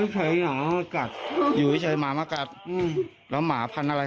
ใครหาอยู่ให้เฉยหมามากัดแล้วหมาพันธุ์อะไร